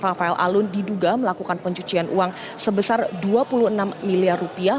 rafael alun diduga melakukan pencucian uang sebesar dua puluh enam miliar rupiah